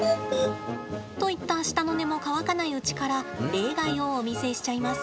といった舌の根も乾かないうちから例外をお見せしちゃいます。